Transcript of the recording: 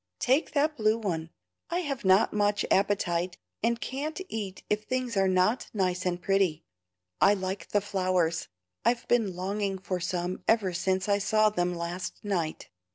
"Take that blue one. I have not much appetite, and can't eat if things are not nice and pretty. I like the flowers. I've been longing for some ever since I saw them last night."